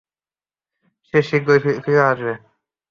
সে শীঘ্রই ফিরে আসবে।